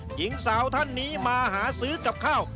หญิงสาวท่านนี้มาหาซื้อกับข้าว